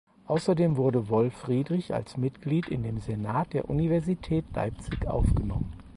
Außerdem wurde Wolf Friedrich als Mitglied in den Senat der Universität Leipzig aufgenommen.